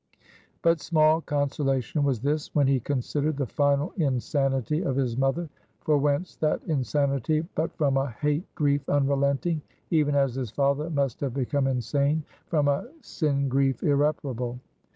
But small consolation was this, when he considered the final insanity of his mother; for whence that insanity but from a hate grief unrelenting, even as his father must have become insane from a sin grief irreparable?